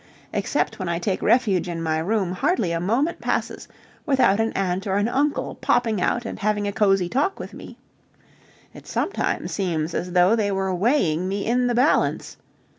Except when I take refuge in my room, hardly a moment passes without an aunt or an uncle popping out and having a cosy talk with me. It sometimes seems as though they were weighing me in the balance.